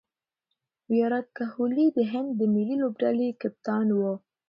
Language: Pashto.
ویرات کهولي د هند د ملي لوبډلي کپتان وو.